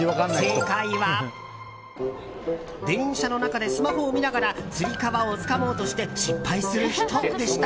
正解は電車の中でスマホを見ながらつり革をつかもうとして失敗する人でした。